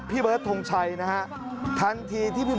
และก็มีการกินยาละลายริ่มเลือดแล้วก็ยาละลายขายมันมาเลยตลอดครับ